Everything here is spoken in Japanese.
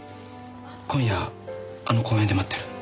今夜あの公園で待ってる。